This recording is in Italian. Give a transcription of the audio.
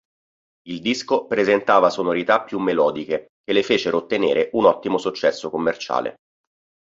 Il disco presentava sonorità più melodiche che le fecero ottenere un ottimo successo commerciale.